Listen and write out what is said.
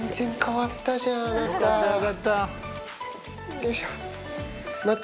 よいしょ。